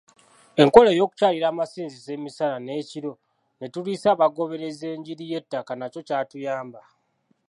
Enkola ey'okukyalira amasinzizo emisana n'ekiro ne tuliisa abagoberezi enjiri y'ettaka nakyo kyatuyamba.